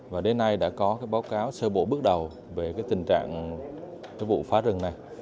và đến nay đã có báo cáo sơ bộ bước đầu về tình trạng vụ phá rừng này